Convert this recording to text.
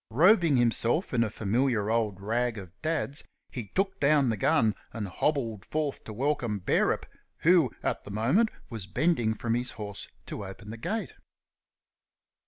Robing himself in a familiar old rag of Dad's, he took down the gun and hobbled forth to welcome Bearup, who at the moment was bending from his horse to open the gate.